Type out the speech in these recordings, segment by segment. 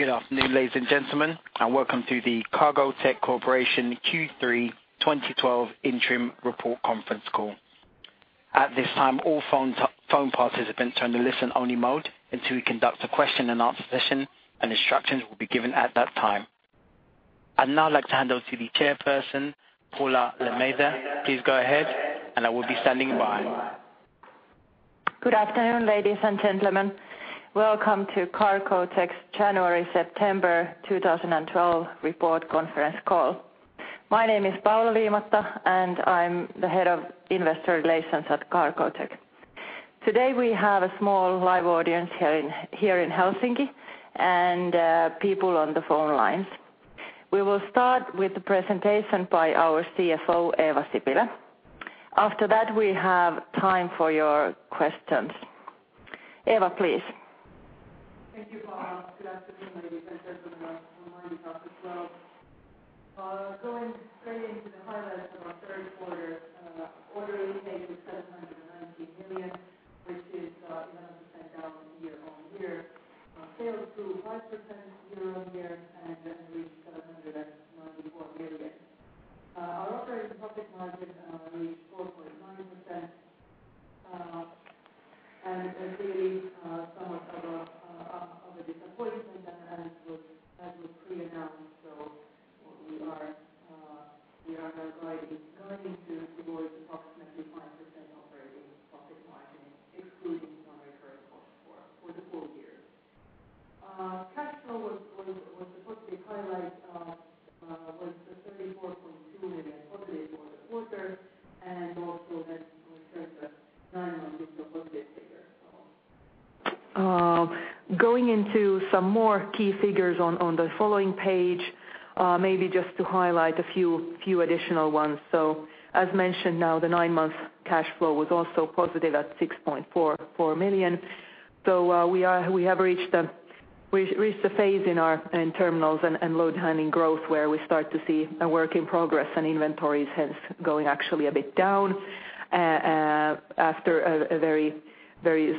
Good afternoon, ladies and gentlemen, welcome to the Cargotec Corporation Q3 2012 interim report conference call. At this time, all phone participants turn to listen-only mode until we conduct a question and answer session, and instructions will be given at that time. I'd now like to hand over to the chairperson, Paula Liimatta. Please go ahead, and I will be standing by. Good afternoon, ladies and gentlemen. Welcome to Cargotec's January-September 2012 report conference call. My name is Paula Liimatta, and I'm the Head of Investor Relations at Cargotec. Today, we have a small live audience here in Helsinki and people on the phone lines. We will start with the presentation by our CFO, Eeva Sipilä. After that, we have time for your questions. Eeva, please. Thank you, Paula. Good afternoon, ladies and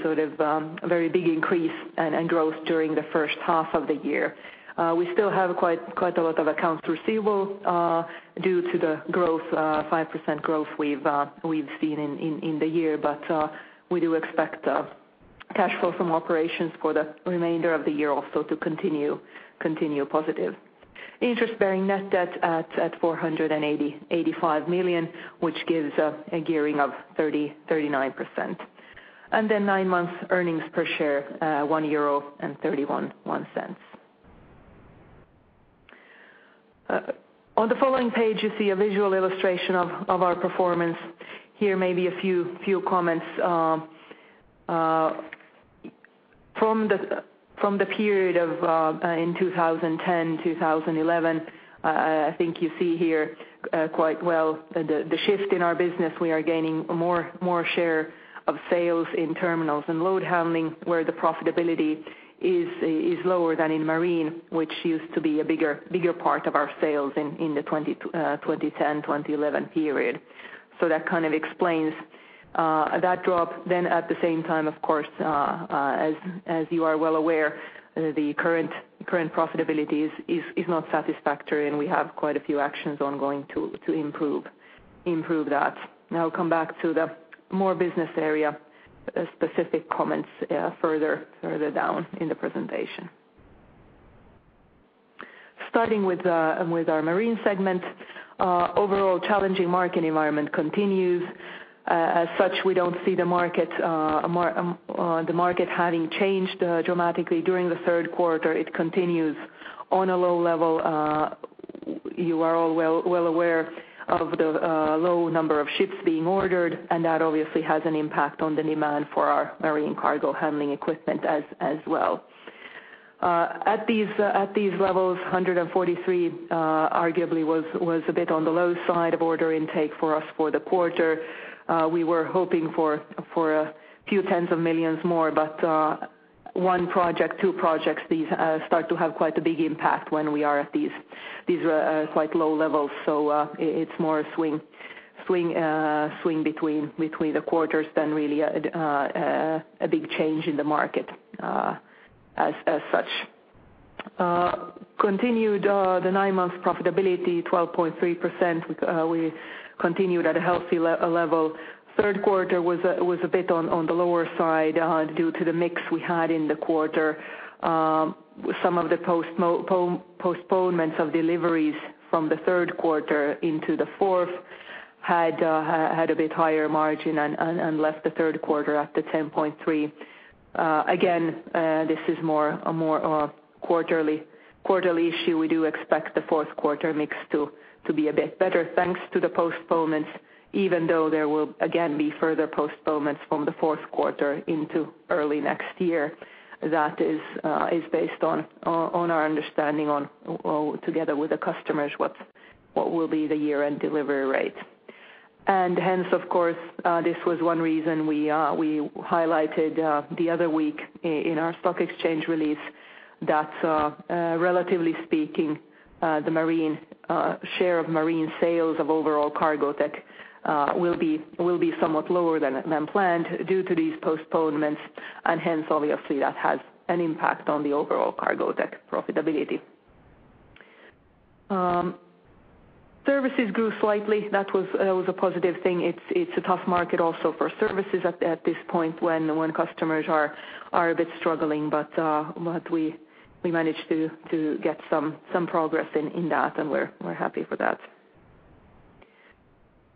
sort of a very big increase and growth during the first half of the year. We still have quite a lot of accounts receivable due to the growth, 5% growth we've seen in the year. We do expect cash flow from operations for the remainder of the year also to continue positive. Interest-bearing net debt at 485 million, which gives a gearing of 39%. Nine months earnings per share, 1.31 euro. On the following page, you see a visual illustration of our performance. Here may be a few comments. From the period of 2010, 2011, I think you see here quite well the shift in our business. We are gaining more share of sales in Terminals and Load Handling, where the profitability is lower than in Marine, which used to be a bigger part of our sales in the 2010, 2011 period. That kind of explains that drop. At the same time of course, as you are well aware, the current profitability is not satisfactory, and we have quite a few actions ongoing to improve that. Now come back to the more business area specific comments further down in the presentation. Starting with our Marine segment. Overall challenging market environment continues. As such, we don't see the market more the market having changed dramatically during the third quarter. It continues on a low level. You are all well aware of the low number of ships being ordered, and that obviously has an impact on the demand for our Marine cargo handling equipment as well. At these levels, 143, arguably was a bit on the low side of order intake for us for the quarter. We were hoping for a few tens of millions more, but one project, two projects, these start to have quite a big impact when we are at these quite low levels. It's more a swing between the quarters than really a big change in the market as such. Continued the nine-month profitability 12.3%. We continued at a healthy level. Third quarter was a bit on the lower side due to the mix we had in the quarter. Some of the postponements of deliveries from the third quarter into the fourth had a bit higher margin and left the third quarter at 10.3%. Again, this is a more quarterly issue. We do expect the fourth quarter mix to be a bit better thanks to the postponements even though there will again be further postponements from the fourth quarter into early next year. That is based on our understanding on together with the customers, what will be the year-end delivery rates. Hence, of course, this was one reason we highlighted the other week in our stock exchange release that relatively speaking, the Marine share of marine sales of overall Cargotec will be somewhat lower than planned due to these postponements. Hence, obviously, that has an impact on the overall Cargotec profitability. Services grew slightly. That was a positive thing. It's a tough market also for services at this point when customers are a bit struggling. What we managed to get some progress in that, and we're happy for that.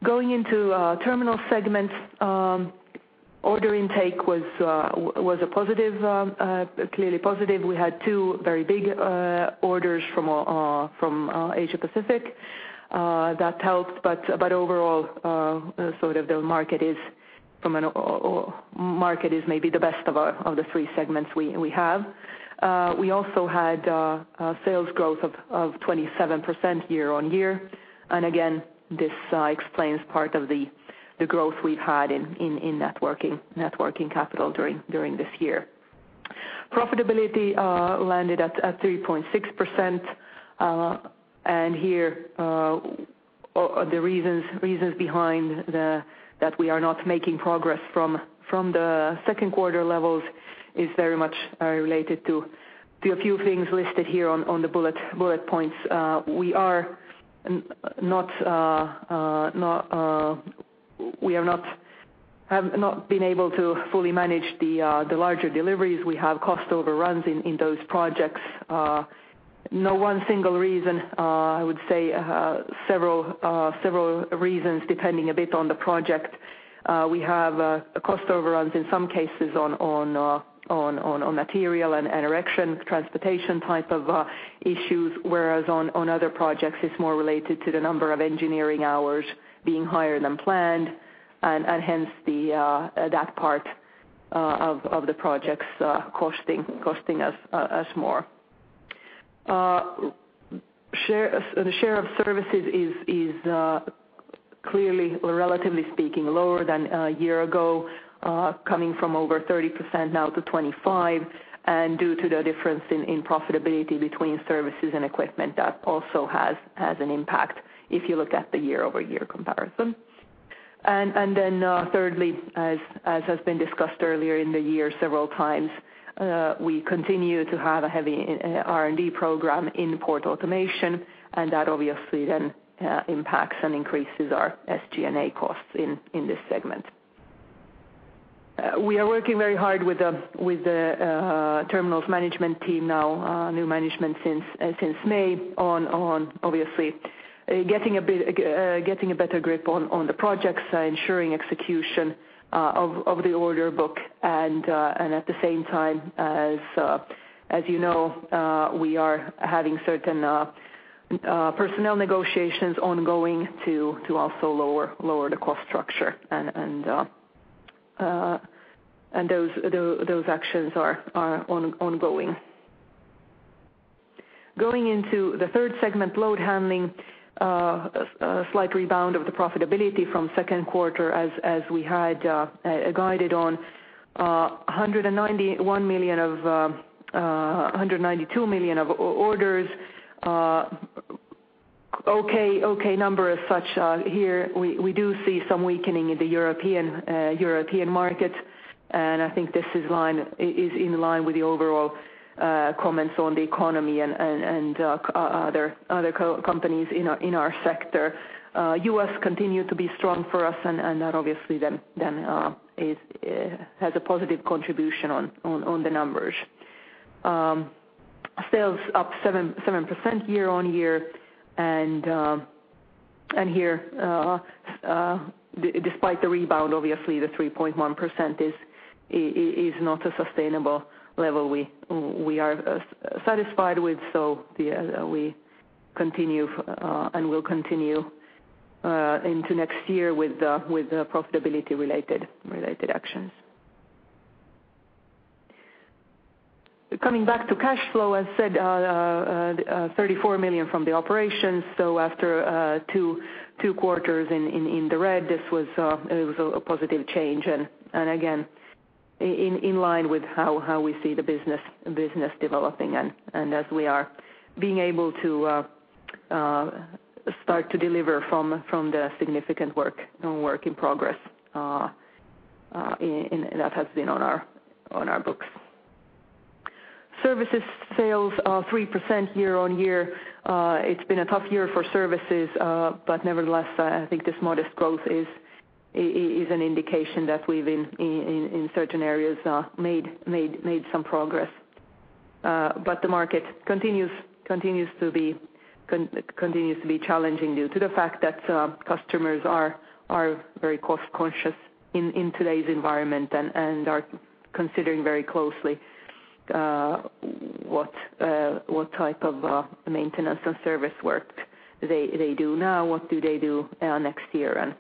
Going into Terminals segments, order intake was a positive, clearly positive. We had two very big orders from Asia Pacific that helped. overall, sort of the market is from our market is maybe the best of the three segments we have. We also had sales growth of 27% year-on-year. again, this explains part of the growth we've had in Net working capital during this year. Profitability landed at 3.6%. here, the reasons behind that we are not making progress from the second quarter levels is very much related to a few things listed here on the bullet points. We have not been able to fully manage the larger deliveries. We have cost overruns in those projects. No one single reason. I would say several reasons depending a bit on the project. We have cost overruns in some cases on material and erection, transportation type of issues, whereas on other projects, it's more related to the number of engineering hours being higher than planned. Hence the that part of the projects costing us more. The share of services is clearly, relatively speaking, lower than a year ago, coming from over 30% now to 25%. Due to the difference in profitability between services and equipment, that also has an impact if you look at the year-over-year comparison. Then, thirdly, as has been discussed earlier in the year several times, we continue to have a heavy R&D program in port automation, and that obviously then, impacts and increases our SG&A costs in this segment. We are working very hard with the Terminals management team now, new management since May on obviously getting a better grip on the projects, ensuring execution of the order book. At the same time, as you know, we are having certain personnel negotiations ongoing to also lower the cost structure. Those actions are ongoing. Going into the third segment, Load Handling, a slight rebound of the profitability from second quarter as we had guided on 191 million of 192 million of orders. Okay number as such. Here we do see some weakening in the European markets, and I think this is in line with the overall comments on the economy and other companies in our sector. U.S. continue to be strong for us and that obviously then is has a positive contribution on the numbers. Sales up 7% year-on-year. Here, despite the rebound, obviously, the 3.1% is not a sustainable level we are satisfied with. Yeah, we continue and will continue into next year with the profitability related actions. Coming back to cash flow, as said, 34 million from the operations. After two quarters in the red, this was a positive change. Again, in line with how we see the business developing and as we are being able to start to deliver from the significant work in progress that has been on our books. Services sales are 3% year-over-year. It's been a tough year for services, but nevertheless, I think this modest growth is an indication that we've in certain areas made some progress. The market continues to be challenging due to the fact that customers are very cost conscious in today's environment and are considering very closely what type of maintenance and service work they do now, what do they do next year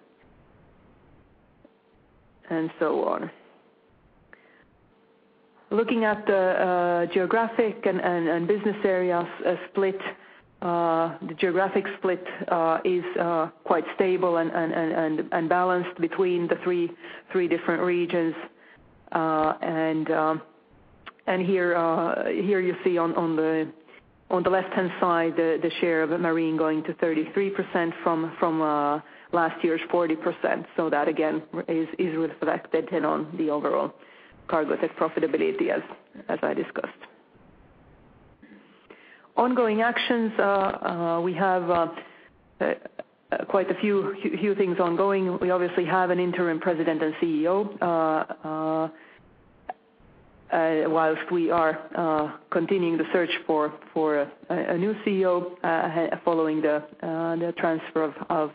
and so on. Looking at the geographic and business areas split, the geographic split is quite stable and balanced between the three different regions. Here you see on the left-hand side, the share of Marine going to 33% from last year's 40%. That again is reflected in on the overall Cargotec profitability as I discussed. Ongoing actions, we have quite a few things ongoing. We obviously have an interim President and CEO, whilst we are continuing the search for a new CEO, following the transfer of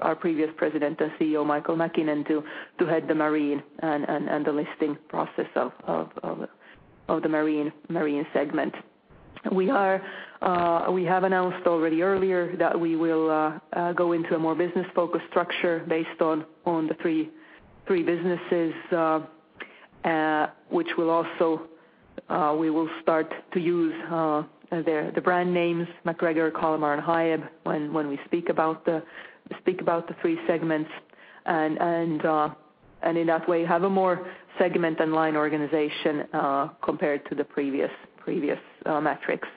our previous President and CEO, Mikael Mäkinen, to head the Marine and the listing process of the Marine segment. We have announced already earlier that we will go into a more business-focused structure based on the three businesses, which will also we will start to use the brand names MacGregor, Kalmar, and Hiab when we speak about the three segments, and in that way, have a more segment online organization compared to the previous metrics.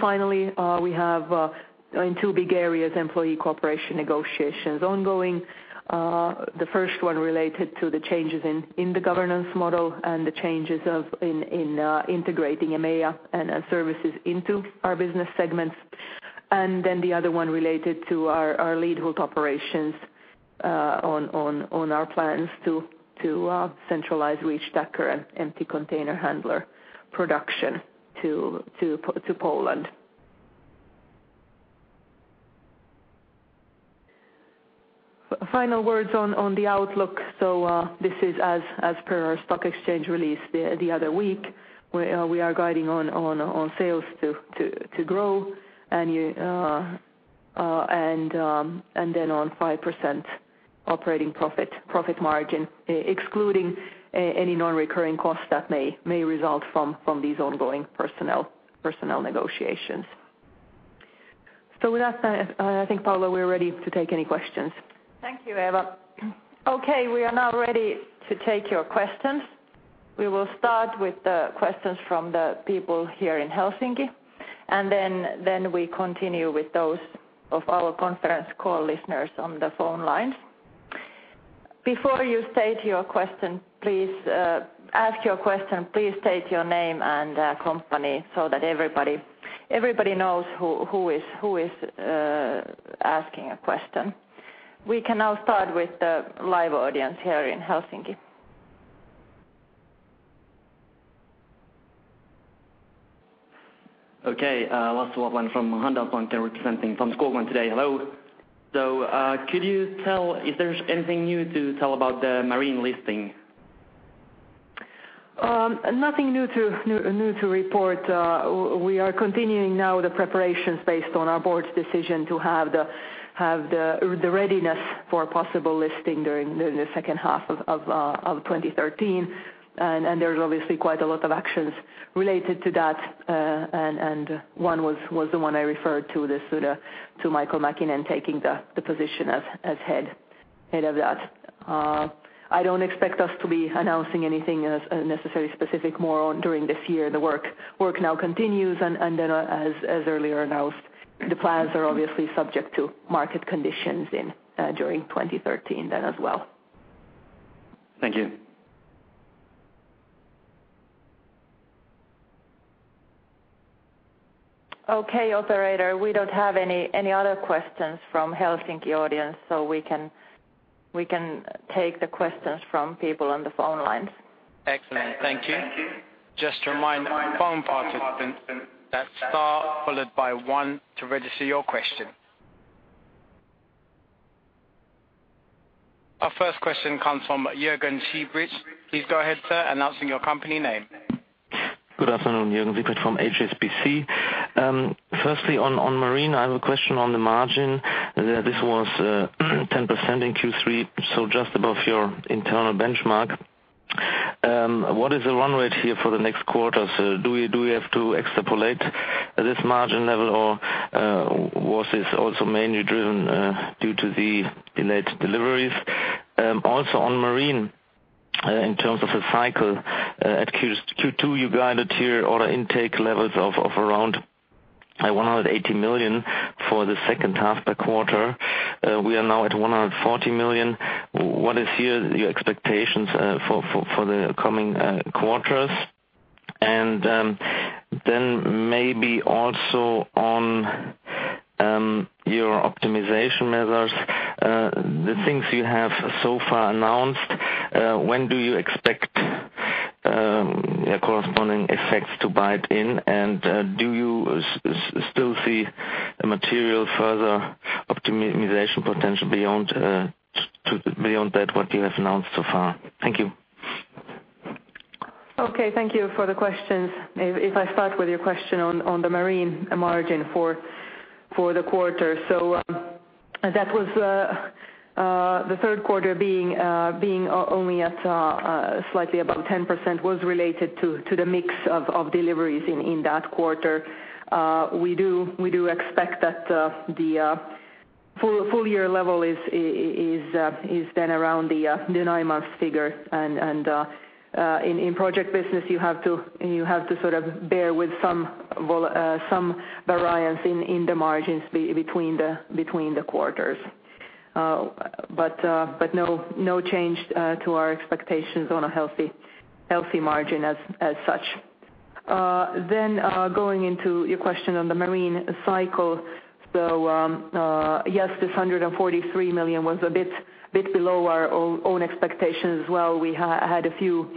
Finally, we have in two big areas, employee cooperation negotiations ongoing. The first one related to the changes in the governance model and the changes of, in, integrating EMEA and services into our business segments. The other one related to our Lidhult operations on our plans to centralize reach stacker and empty container handler production to Poland. Final words on the outlook. This is as per our stock exchange release the other week, where we are guiding on sales to grow and you on 5% operating profit margin, excluding any non-recurring costs that may result from these ongoing personnel negotiations. With that, I think, Paula, we're ready to take any questions. Thank you, Eeva. Okay, we are now ready to take your questions. We will start with the questions from the people here in Helsinki, and then we continue with those of our conference call listeners on the phone lines. Before you state your question, please ask your question, please state your name and company so that everybody knows who is asking a question. We can now start with the live audience here in Helsinki. Okay. [Lasse Lovell] from Handelsbanken representing from Skogman today. Hello. Could you tell if there's anything new to tell about the Marine listing? Nothing new to report. We are continuing now the preparations based on our board's decision to have the readiness for a possible listing during the second half of 2013. There's obviously quite a lot of actions related to that. One was the one I referred to this sooner, to Mikael Mäkinen taking the position as head of that. I don't expect us to be announcing anything as necessarily specific more on during this year. The work now continues as earlier announced, the plans are obviously subject to market conditions in 2013 then as well. Thank you. Operator, we don't have any other questions from Helsinki audience, so we can take the questions from people on the phone lines. Excellent. Thank you. Just to remind our phone participants that star followed by one to register your question. Our first question comes from Jürgen Siebrecht. Please go ahead, sir, announcing your company name. Good afternoon, Jürgen Siebrecht from HSBC. Firstly, on Marine, I have a question on the margin. This was 10% in Q3, just above your internal benchmark. What is the run rate here for the next quarters? Do we have to extrapolate this margin level, or was this also mainly driven due to the delayed deliveries? Also on Marine, in terms of the cycle, at Q2, you guided your order intake levels of around 180 million for the second half the quarter. We are now at 140 million. What is here your expectations for the coming quarters? Then maybe also on your optimization measures, the things you have so far announced, when do you expect corresponding effects to bite in? Do you still see a material further optimization potential beyond, to, beyond that what you have announced so far? Thank you. Okay. Thank you for the questions. If I start with your question on the Marine margin for the quarter. That was the third quarter being only at slightly above 10% was related to the mix of deliveries in that quarter. We do expect that the full year level is then around the nine month figure. In project business, you have to sort of bear with some variance in the margins between the quarters. But no change to our expectations on a healthy margin as such. Going into your question on the Marine cycle, yes, this 143 million was a bit below our own expectations as well. We had a few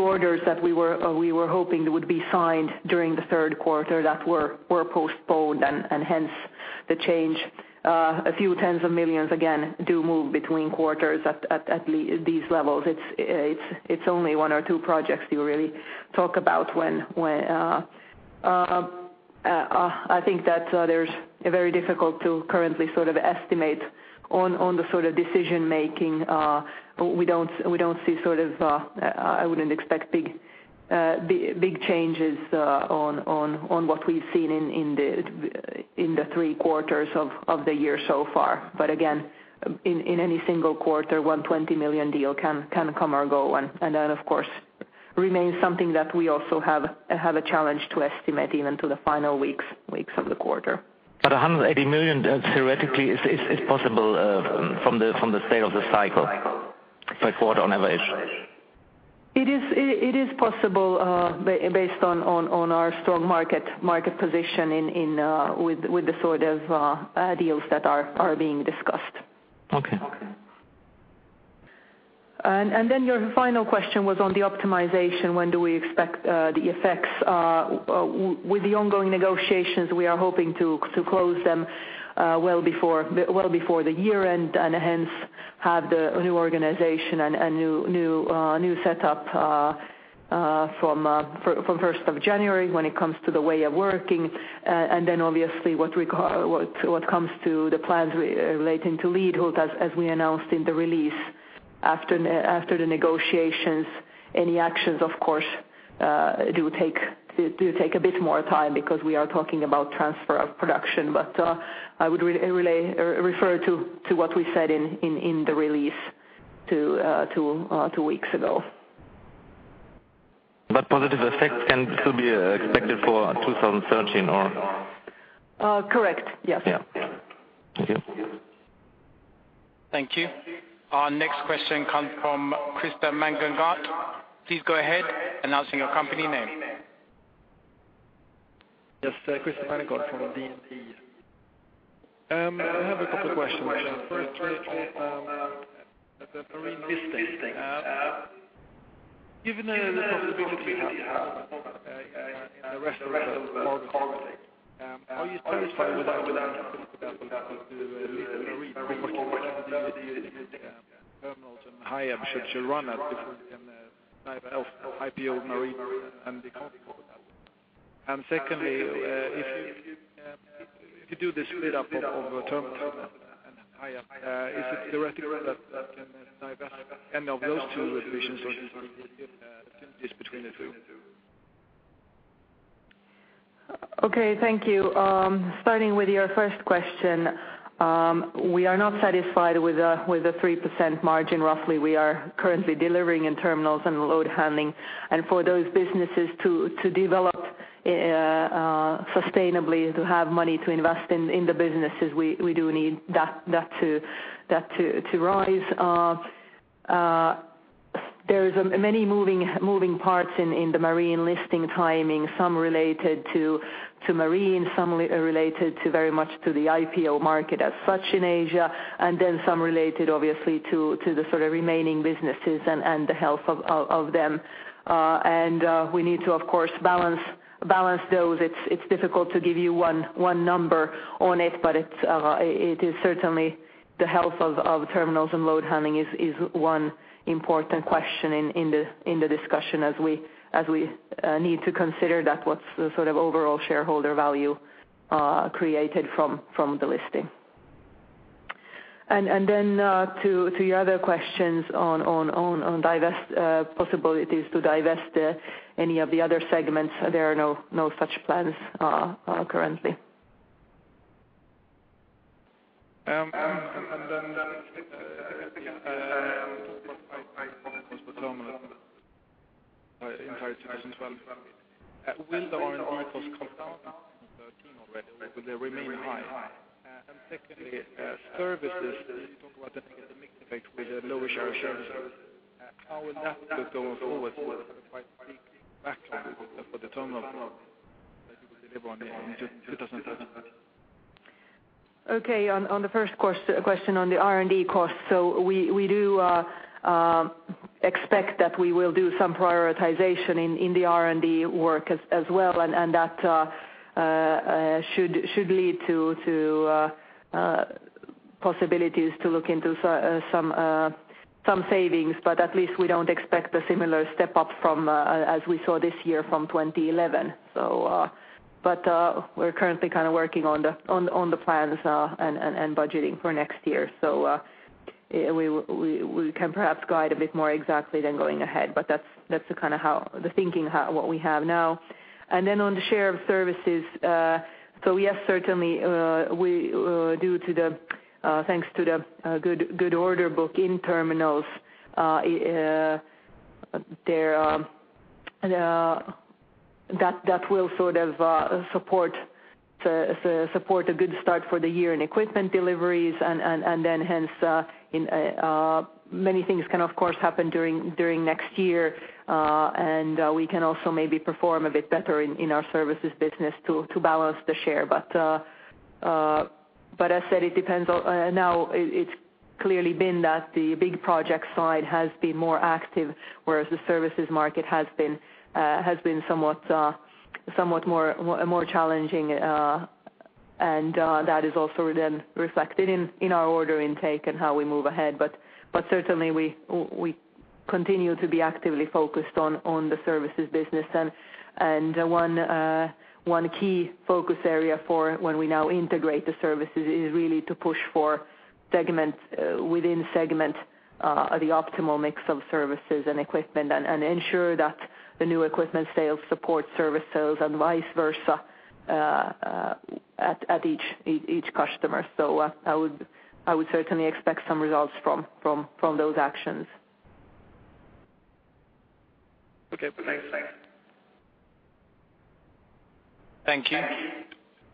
orders that we were hoping would be signed during the third quarter that were postponed and hence the change. A few tens of millions again do move between quarters at these levels. It's only one or two projects you really talk about when I think that there's a very difficult to currently sort of estimate on the sort of decision-making. We don't see sort of, I wouldn't expect big changes on what we've seen in the three quarters of the year so far. Again, in any single quarter, one 20 million deal can come or go. That of course remains something that we also have a challenge to estimate even to the final weeks of the quarter. 180 million, theoretically is possible, from the state of the cycle, like quarter on average? It is possible, based on our strong market position in with the sort of deals that are being discussed. Okay. Then your final question was on the optimization, when do we expect the effects. With the ongoing negotiations, we are hoping to close them well before, well before the year-end, and hence have the new organization and new setup from 1st of January when it comes to the way of working. And then obviously what comes to the plans relating to Lidhult, as we announced in the release after the negotiations. Any actions of course, do take a bit more time because we are talking about transfer of production. I would really refer to what we said in the release two weeks ago. positive effects can still be expected for 2013 or? Correct. Yes. Yeah. Thank you. Thank you. Our next question comes from Christer Magnergård. Please go ahead announcing your company name. Yes, Christer Magnergård from DNB. I have a couple questions. First of all, the Marine listings. Given the possibility you have in the rest of the market, are you satisfied with that potential to leave the Marine division with the Terminals and Hiab should you run a different type of IPO Marine and the comfort? Secondly, if you do the split up of Terminals and Hiab, is it theoretical that you can divest any of those two divisions or is there a difference between the two? Okay, thank you. Starting with your first question, we are not satisfied with a 3% margin, roughly we are currently delivering in Terminals and Load Handling. For those businesses to develop sustainably, to have money to invest in the businesses, we do need that to rise. There is many moving parts in the Marine listing timing, some related to Marine, some related to very much to the IPO market as such in Asia, and then some related obviously to the sort of remaining businesses and the health of them. We need to of course balance those. It's difficult to give you one number on it, but it is certainly the health of Terminals and Load Handling is one important question in the discussion as we need to consider that what's the sort of overall shareholder value created from the listing. To your other questions on divest possibilities to divest any of the other segments, there are no such plans currently. If we can talk about price points for terminals in terms of as well. Will the R&D costs come down in 2013 already or will they remain high? Secondly, services, you talk about that they get a mixed effect with the lower share changes. How will that look going forward for the quite big backlog for the terminals that you will deliver on in 2013? Okay. On the first question on the R&D costs, we do expect that we will do some prioritization in the R&D work as well, and that should lead to possibilities to look into some savings, but at least we don't expect a similar step-up from as we saw this year from 2011. We're currently kind of working on the plans and budgeting for next year. We can perhaps guide a bit more exactly than going ahead, but that's the kind of how the thinking what we have now. On the share of services, yes, certainly, due to the, thanks to the good order book in Terminals, there, that will sort of support the, support a good start for the year in equipment deliveries and then hence, many things can of course happen during next year. And we can also maybe perform a bit better in our services business to balance the share. But as said it depends on, now it's clearly been that the big project side has been more active, whereas the services market has been, has been somewhat more, more challenging, and that is also then reflected in our order intake and how we move ahead. Certainly we continue to be actively focused on the services business. One key focus area for when we now integrate the services is really to push for segments, within segment, the optimal mix of services and equipment and ensure that the new equipment sales support services and vice versa, at each customer. I would certainly expect some results from those actions. Okay, thanks. Thank you.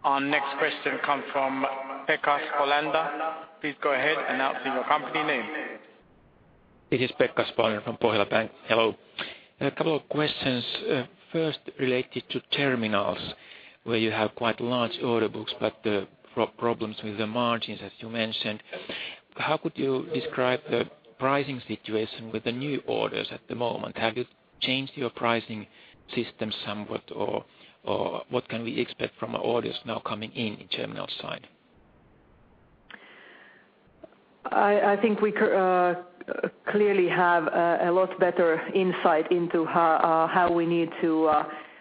Our next question comes from Pekka Spolander. Please go ahead and announce your company name. This is Pekka Spolander from Pohjola Bank. Hello. A couple of questions. first related to Terminals, where you have quite large order books, but problems with the margins, as you mentioned. How could you describe the pricing situation with the new orders at the moment? Have you changed your pricing system somewhat? Or what can we expect from orders now coming in in Terminal side? I think we clearly have a lot better insight into how we need to,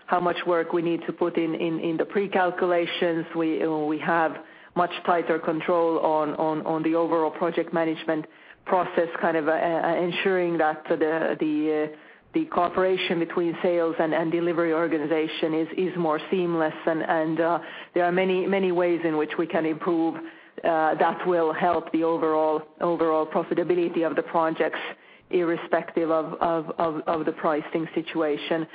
how much work we need to put in the pre-calculations. We have much tighter control on the overall project management process, kind of ensuring that the cooperation between sales and delivery organization is more seamless. There are many ways in which we can improve that will help the overall profitability of the projects, irrespective of the pricing situation.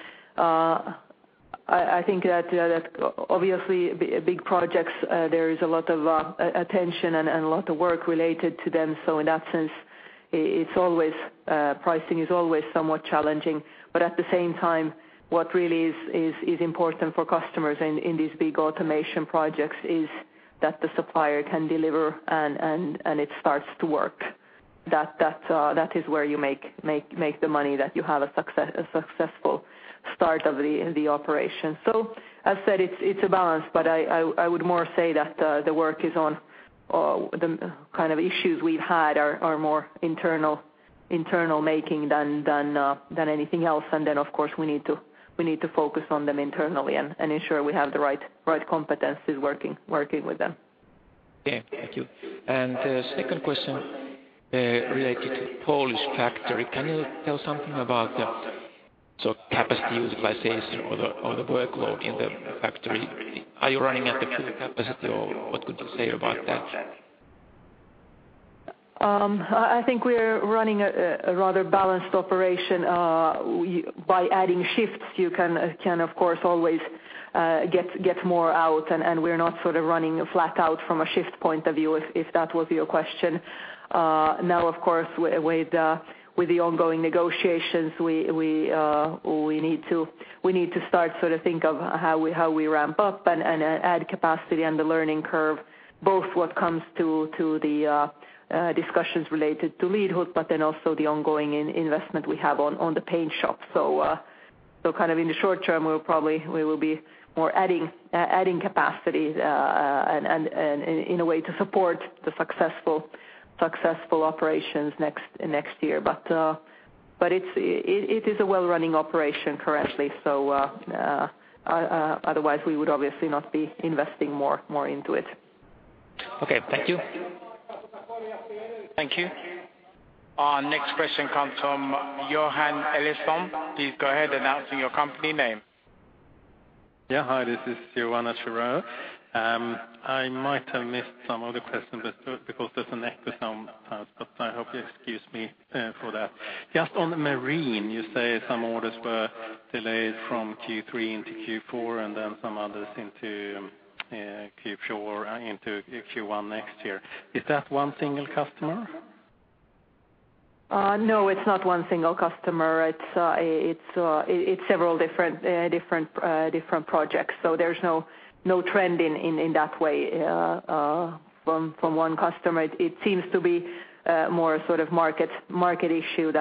I think that obviously big projects, there is a lot of attention and a lot of work related to them. In that sense, it's always pricing is always somewhat challenging. At the same time, what really is important for customers in these big automation projects is that the supplier can deliver and it starts to work. That is where you make the money, that you have a successful start of the operation. As said, it's a balance, but I would more say that the work is on, the kind of issues we've had are more internal making than anything else. Of course, we need to focus on them internally and ensure we have the right competencies working with them. Okay. Thank you. The second question, related to Polish factory. Can you tell something about the sort of capacity utilization or the workload in the factory? Are you running at the full capacity or what could you say about that? I think we are running a rather balanced operation. By adding shifts, you can of course always get more out, and we're not sort of running flat out from a shift point of view, if that was your question. Of course, with the ongoing negotiations, we need to start to sort of think of how we ramp up and add capacity and the learning curve, both what comes to the discussions related to Lidhult, also the ongoing in-investment we have on the paint shop. Kind of in the short term, we will be more adding capacity and in a way to support the successful operations next year. It is a well-running operation currently. Otherwise we would obviously not be investing more into it. Okay. Thank you. Thank you. Our next question comes from Johan Eliason. Please go ahead, announcing your company name. Hi, this is [Johan Eliason]. I might have missed some of the question because there's an echo sometimes, but I hope you excuse me for that. Just on Marine, you say some orders were delayed from Q3 into Q4, and then some others into Q4 into Q1 next year. Is that one single customer? ingle customer. It's several different projects. There's no trend in that way from one customer. It seems to be more sort of market issue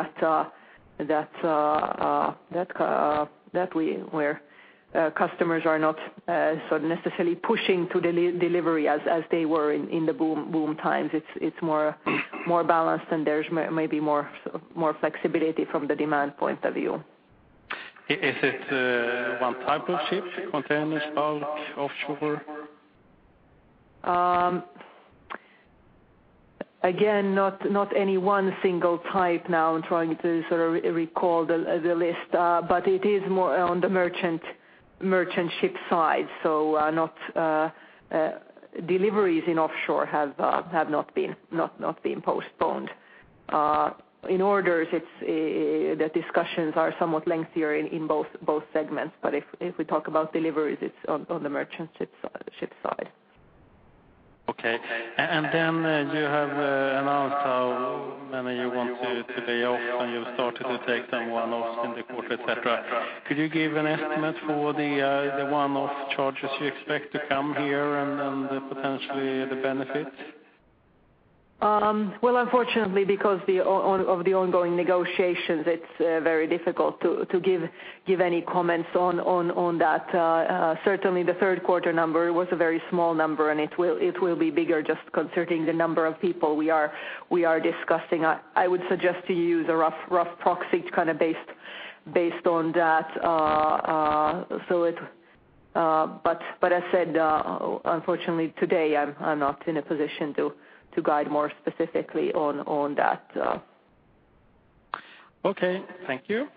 where customers are not so necessarily pushing to delivery as they were in the boom times. It's more balanced, and there's maybe more flexibility from the demand point of view. Is it, one type of ship? Containers, bulk, offshore? Again, not any one single type now. I'm trying to sort of recall the list. It is more on the merchant ship side. Not deliveries in offshore have not been postponed. In orders, it's the discussions are somewhat lengthier in both segments. If we talk about deliveries, it's on the merchant ship side. Okay. Then, you have announced how many you want to lay off, and you've started to take some one-offs in the quarter, et cetera. Could you give an estimate for the one-off charges you expect to come here and potentially the benefits? Well, unfortunately because of the ongoing negotiations, it's very difficult to give any comments on that. Certainly the third quarter number was a very small number, and it will be bigger just considering the number of people we are discussing. I would suggest to use a rough proxy kind of based on that. So it, but I said, unfortunately, today I'm not in a position to guide more specifically on that. Okay. Thank you.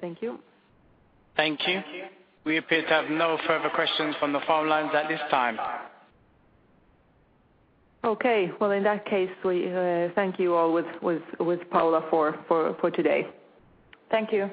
Thank you. Thank you. We appear to have no further questions from the phone lines at this time. Okay. Well, in that case, we thank you all with Paula for today. Thank you.